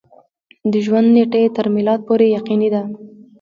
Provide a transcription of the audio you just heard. د ژوند نېټه یې تر میلاد پورې یقیني ده.